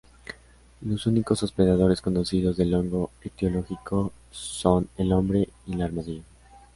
Los únicos hospedadores conocidos del hongo etiológico son el hombre y el armadillo.